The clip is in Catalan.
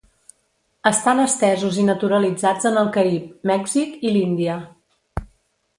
Estan estesos i naturalitzats en el Carib, Mèxic i l'Índia.